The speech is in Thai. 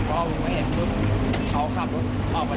ผมเลยเดินออกมาเอาโทรศัพท์